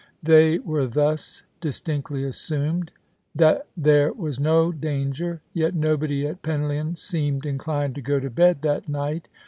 They were thus distinctly assm*ed that there was no danger; yet nobody at Penlyon seemed inclined to go to bed that night.